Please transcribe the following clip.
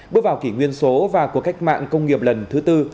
bước vào kỷ nguyên số và cuộc cách mạng công nghiệp lần thứ tư